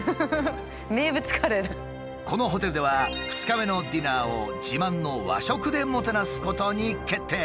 このホテルでは２日目のディナーを自慢の和食でもてなすことに決定。